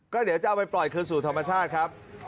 ก็เดี๋ยวจะเอาไปปล่อยคืนสู่ธรรมชาติครับ